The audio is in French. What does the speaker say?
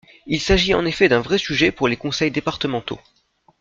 Il s’agit en effet d’un vrai sujet pour les conseils départementaux.